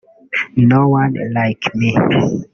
No One Like Me